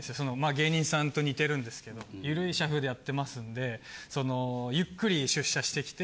芸人さんと似てるんですけどゆるい社風でやってますんでゆっくり出社してきて。